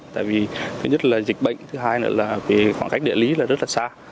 tại vì thứ nhất là dịch bệnh thứ hai là khoảng cách địa lý rất là xa